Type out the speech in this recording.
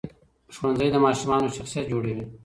ښوونځی د ماشومانو شخصیت جوړوي.